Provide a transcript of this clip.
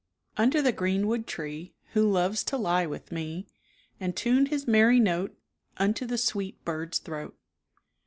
Under the greenwood tree, Who loves to lie with me, And tune his merry note Unto the sweet bird's throat.